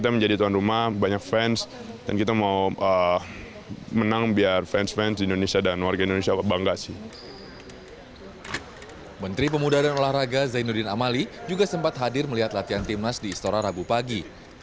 menteri pemuda dan olahraga zainuddin amali juga sempat hadir melihat latihan timnas di istora rabu pagi